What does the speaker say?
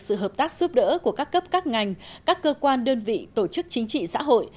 sự hợp tác giúp đỡ của các cấp các ngành các cơ quan đơn vị tổ chức chính trị xã hội